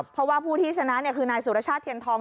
เพราะว่าผู้ที่ชนะคือนายสุรชาติเทียนทอง